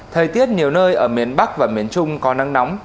thời tiết nhiều nơi ở miền bắc và miền trung có nắng nóng